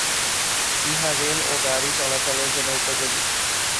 ইহা রেল ও গাড়ি চলাচলের জন্য উপযোগী।